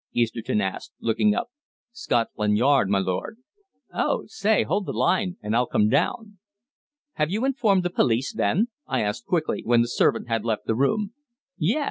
Easterton asked, looking up. "Scotland Yard, my lord." "Oh, say, hold the line, and I'll come down." "Have you informed the police, then?" I asked quickly, when the servant had left the room. "Yes.